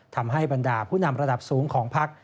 ทำให้บรรดาผู้นำระดับสูงของพัก